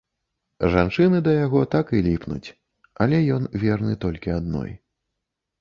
Жанчыны да яго так і ліпнуць, але ён верны толькі адной.